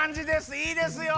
いいですよ！